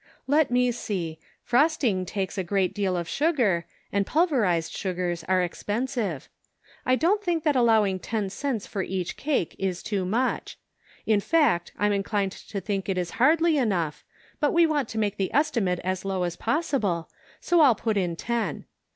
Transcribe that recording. "Let me see, frosting takes a great deal of sugar, and pulverized sugars are expensive. I don't think that allowing ten cents for each cake is too much; in fact, I'm inclined to think it is hardly enough, but we want to make the estimate as low as possible, so I'll put it ten.